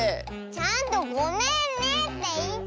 ちゃんと「ごめんね」っていってよ。